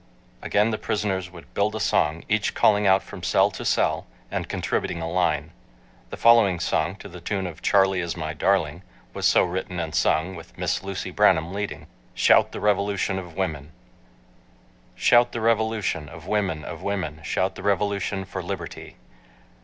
Again the prisoners would build a song, each calling out from cell to cell, and contributing a line. The following song to the tune of "Charlie Is My Darling" was so written and sung with Miss Lucy Branham leading: SHOUT THE REVOLUTION OF WOMEN Shout the revolution Of women, of women, Shout the revolution For liberty.